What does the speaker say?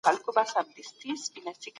که د ټولني اداری اصلاح سي، نو پرمختګ به وسي.